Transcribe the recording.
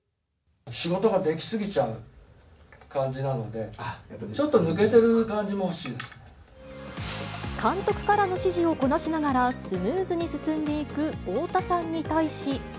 仕事ができ過ぎちゃう感じなので、ちょっと抜けてる感じも欲監督からの指示をこなしながら、スムーズに進んでいく太田さんに対し。